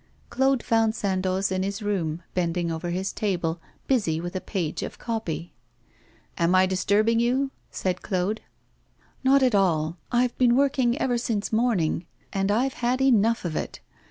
Claude found Sandoz in his room, bending over his table, busy with a page of 'copy.' 'I am disturbing you?' said Claude. 'Not at all. I have been working ever since morning, and I've had enough of it.